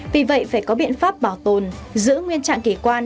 vì vậy phải có biện pháp bảo tồn giữ nguyên trạng kỳ quan